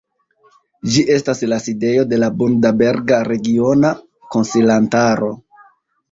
Ĝi estas la sidejo de la Bundaberga Regiona Konsilantaro.